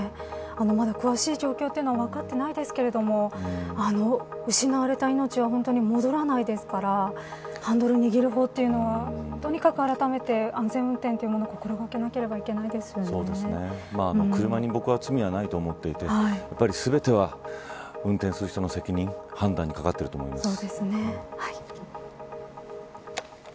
まだ詳しい状況というのは分かっていないですけれども失われた命は戻らないですからハンドルを握る方というのはとにかく、あらためて安全運転というものを心掛けなければ車に僕は罪はないと思っていてやっぱり全ては運転する人の責任判断にかかっていると思います。